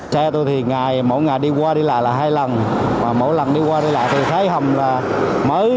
xe tôi thì mỗi ngày đi qua đi lại là hai lần mỗi lần đi qua đi lại thì thấy hầm mới